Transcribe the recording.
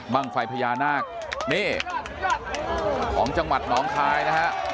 ไฟพญานาคนี่ของจังหวัดหนองคายนะฮะ